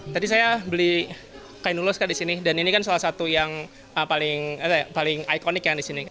tadi saya beli kain ulos disini dan ini kan salah satu yang paling ikonik yang disini